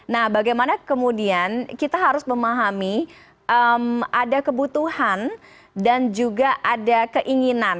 nah bagaimana kemudian kita harus memahami ada kebutuhan dan juga ada keinginan